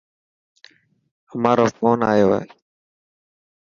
امان رو فون آيو هي.